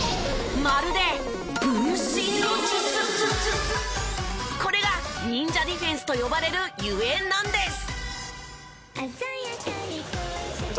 まるでこれが忍者ディフェンスと呼ばれるゆえんなんです。